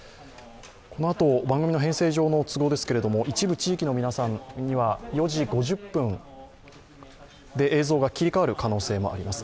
このあと番組の編成上の都合ですけれども一部地域の皆さんには４時５０分で映像が切り替わる可能性もあります。